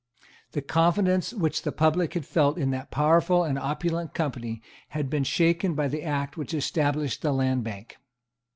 The confidence which the public had felt in that powerful and opulent Company had been shaken by the Act which established the Land Bank.